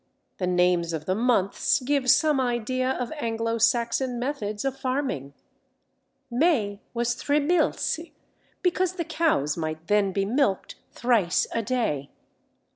The names of the months give some idea of Anglo Saxon methods of farming. May was Thrimylce, because the cows might then be milked thrice a day.